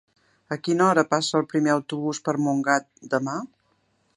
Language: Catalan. A quina hora passa el primer autobús per Montgat demà?